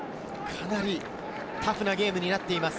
かなりタフなゲームになっています。